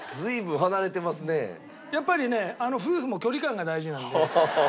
やっぱりね夫婦も距離感が大事なので。